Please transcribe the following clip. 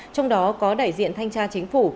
trong đó có đại diện thanh tra chính phủ